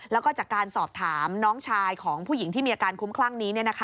แล้วก็จากการสอบถามน้องชายของผู้หญิงที่มีอาการคุ้มคลั่งนี้